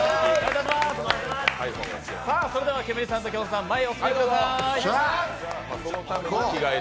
それではケムリさんときょんさん前にお進みください。